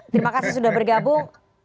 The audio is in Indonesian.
terima kasih sudah bergabung